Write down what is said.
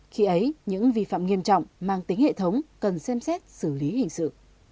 khi ấy những vi phạm nghiêm trọng mang tính hệ thống cần xem xét xử lý hình sự